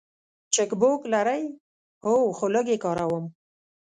چک بوک لرئ؟ هو، خو لږ یی کاروم